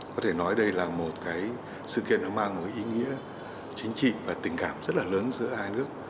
có thể nói đây là một cái sự kiện nó mang một ý nghĩa chính trị và tình cảm rất là lớn giữa hai nước